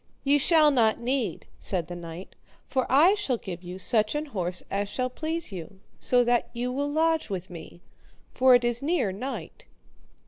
Ye shall not need, said the knight, for I shall give you such an horse as shall please you, so that you will lodge with me, for it is near night.